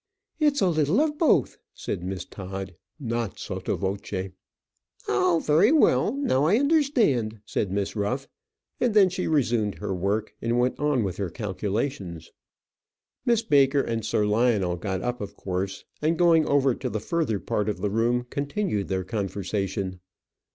"It's a little of both," said Miss Todd, not sotto voce. "Oh, very well; now I understand," said Miss Ruff; and then she resumed her work and went on with her calculations. Miss Baker and Sir Lionel got up, of course, and going over to the further part of the room continued their conversation.